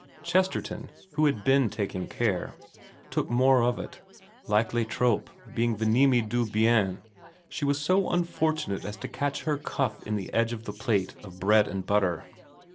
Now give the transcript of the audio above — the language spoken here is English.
Chesterton, who had been taking care, took more of it ; and le trop being Vennemi du bien she was so unfortunate as to catch her cuff in the edge of the plate of bread and butter.